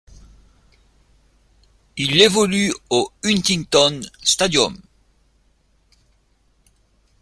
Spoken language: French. Il évolue au Huntington Stadium.